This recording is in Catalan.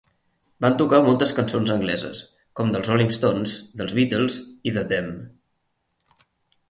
Van tocar moltes cançons angleses, com dels Rolling Stones, dels Beatles i de Them.